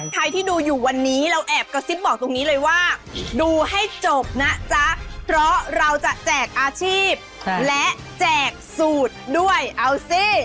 ใครที่ดูอยู่วันนี้เราแอบกระซิบบอกตรงนี้เลยว่าดูให้จบนะจ๊ะเพราะเราจะแจกอาชีพและแจกสูตรด้วยเอาสิ